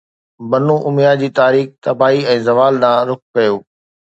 بنو اميه جي تاريخ تباهي ۽ زوال ڏانهن رخ ڪيو